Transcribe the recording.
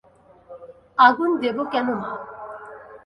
আগুন দেব কেন মা?